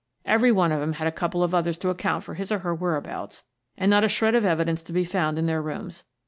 Every one of 'em had a couple of others to account for his or her whereabouts, and not a shred of evidence to be found in their rooms.